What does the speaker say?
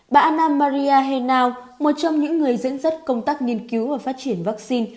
bà anna maria henao một trong những người dẫn dắt công tác nghiên cứu và phát triển vaccine